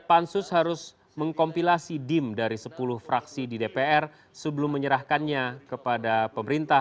pansus ruu pemilu dpr ahmad riza patria berharap fraksi fraksi tersebut segera menyerahkan dim kepada panitia